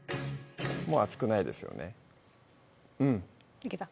もう熱くないですよねいけた？